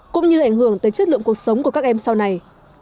cũng như ảnh hưởng tới chất lượng cuộc sống của các em sau này